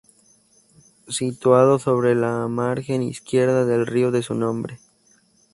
Situado sobre la margen izquierda del río de su nombre.